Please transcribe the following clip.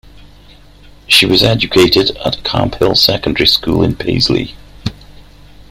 She was educated at Camphill Secondary School in Paisley.